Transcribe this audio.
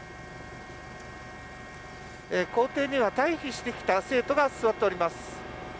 校庭には退避してきた生徒が座っています。